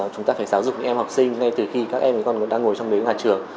chúng ta phải giáo dục em học sinh ngay từ khi các em còn đang ngồi trong đếm nhà trường